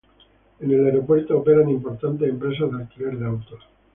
En el aeropuerto operan importantes empresas de alquiler de autos.